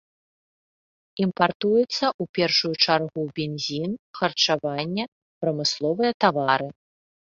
Імпартуецца ў першую чаргу, бензін, харчаванне, прамысловыя тавары.